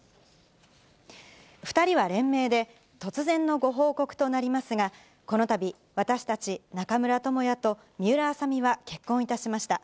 ２人は連名で、突然のご報告となりますが、このたび、私たち、中村倫也と水卜麻美は結婚いたしました。